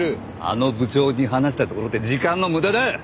あの部長に話したところで時間の無駄だ！